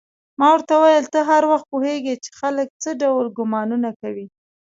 ما ورته وویل: ته هر وخت پوهېږې چې خلک څه ډول ګومانونه کوي؟